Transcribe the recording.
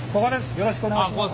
よろしくお願いします。